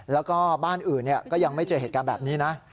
แล้วก็บ้านอื่นก็ยังไม่เจอเหตุการณ์แบบนี้นะ